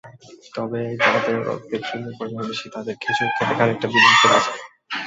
তবে যাঁদের রক্তে চিনির পরিমাণ বেশি, তাঁদের খেজুর খেতে খানিকটা বিধিনিষেধ আছে।